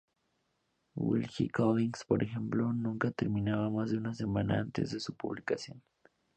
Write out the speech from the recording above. Wilkie Collins, por ejemplo, nunca terminaba más de una semana antes de su publicación.